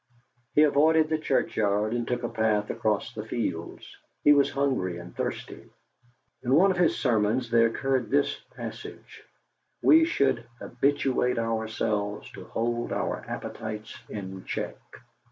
He avoided the churchyard, and took a path across the fields. He was hungry and thirsty. In one of his sermons there occurred this passage: "We should habituate ourselves to hold our appetites in check.